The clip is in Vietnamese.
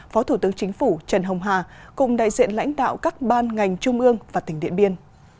phó thủ tướng chính phủ trần hồng hà cùng đại diện lãnh đạo các ban ngành trung ương và tỉnh điện biên